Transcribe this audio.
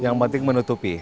yang penting menutupi